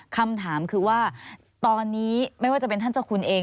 คำถามคือว่าตอนนี้ไม่ว่าจะเป็นท่านเจ้าคุณเอง